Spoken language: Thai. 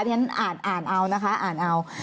เพราะฉะนั้นอ่านเอานะคะอ่านเอา